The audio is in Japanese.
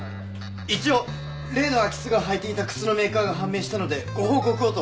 一応例の空き巣が履いていた靴のメーカーが判明したのでご報告をと。